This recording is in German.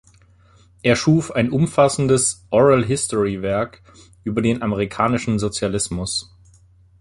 Er schuf ein umfassendes Oral-History-Werk über den amerikanischen Sozialismus.